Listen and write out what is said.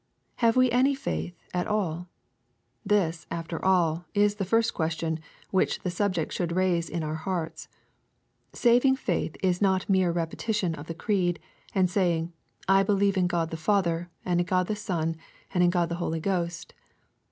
Have we any faith at all ? This, after all, is the first question which the subject should raise in our hearts. Saving faith is not mere repetition of the creed, and saying, " I believe in God the Father, — and in God the Son, — ^and in God the HolyGhost."